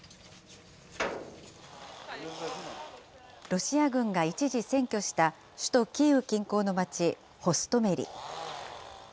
ロシア軍が一時占拠した首都キーウ近郊の町、ホストメリ。